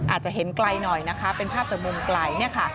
อาจจะเห็นไกลหน่อยนะคะเป็นภาพจากมุมไกลเนี่ยค่ะ